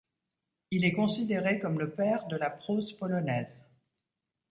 Il est considéré comme le père de la prose polonaise.